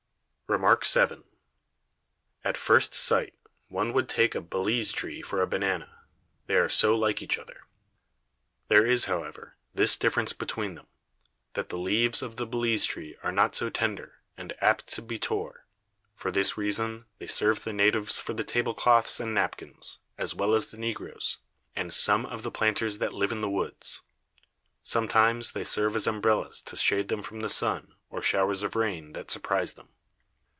REMARK VII. At first sight, one would take a Balize Tree for a Banane, they are so like each other: there is, however, this difference between them, That the Leaves of the Balize Tree are not so tender, and apt to be tore; for this reason, they serve the Natives for Table Cloths and Napkins, as well as the Negroes, and some of the Planters that live in the Woods. Sometimes they serve as Umbrella's to shade them from the Sun, or Showers of Rain, that surprize them.